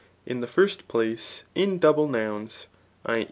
In the first place in double nouns [i.